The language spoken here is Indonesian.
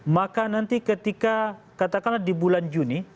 maka nanti ketika katakanlah di bulan juni